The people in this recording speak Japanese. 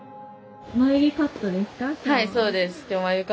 はいそうです。